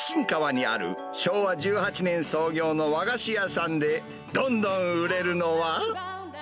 かわにある昭和１８年創業の和菓子屋さんで、どんどん売れるのは。